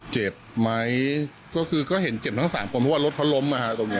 เจ็บไหมก็คือก็เห็นเจ็บทั้งสามคนเพราะว่ารถเขาล้มนะฮะตรงนี้